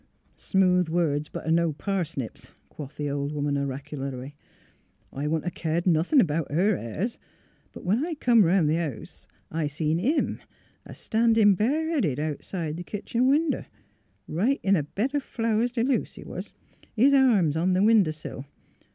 " Smooth words butter no parsnips," quoth the old woman, oracularly. " I wouldn't *a' eared nothin' 'bout her airs. But when I come 'round th' house I seen hhn a standin' bare headed out side th' kitchen winder — right in a bed o* flowers de luce he was — his arms on the winder sill.